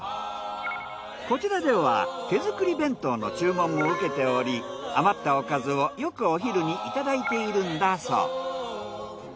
こちらでは手作り弁当の注文も受けており余ったおかずをよくお昼にいただいているんだそう。